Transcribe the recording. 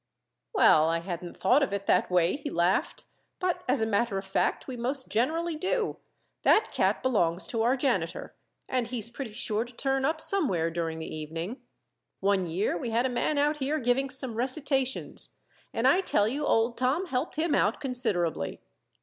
"Well, I hadn't thought of it that way," he laughed; "but as a matter of fact we most generally do. That cat belongs to our janitor, and he's pretty sure to turn up somewhere during the evening. One year we had a man out here giving some recitations, and I tell you old Tom helped him out considerably.